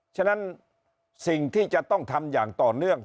ฉะนั้นสิ่งที่จะต้องทำอย่างต่อเนื่อง